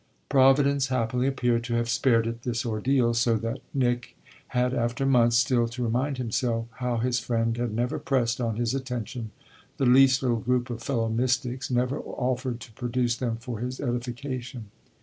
Providence happily appeared to have spared it this ordeal; so that Nick had after months still to remind himself how his friend had never pressed on his attention the least little group of fellow mystics, never offered to produce them for his edification.